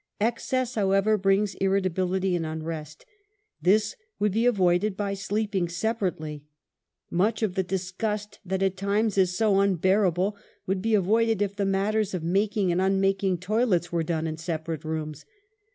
Excess, however, brings irritability and unrest. This would Xbe avoided by sleeping separately. Much of the dis gust that at times is so unbearable would be avoided if the matters of making and un making toilets were done in separate rooms.